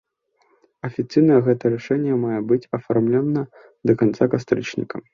Афіцыйна гэтае рашэнне мае быць аформленае да канца кастрычніка.